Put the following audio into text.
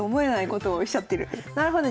なるほど。